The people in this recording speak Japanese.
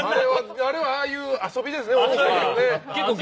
あれはああいう遊びですね。